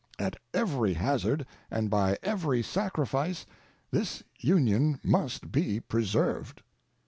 At every hazard and by every sacrifice this Union must be preserved.